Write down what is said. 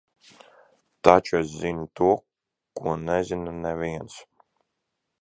Taču es zinu to, ko nezina neviens.